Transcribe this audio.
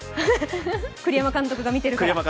栗山監督が見てるから？